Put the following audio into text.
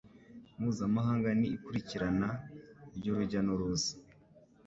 mpuzamahanga n ikurikirana ry urujya n uruza